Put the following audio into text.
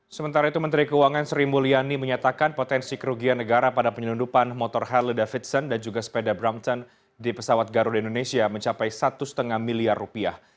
sementara itu menteri keuangan sri mulyani menyatakan potensi kerugian negara pada penyelundupan motor harley davidson dan juga sepeda brampton di pesawat garuda indonesia mencapai satu lima miliar rupiah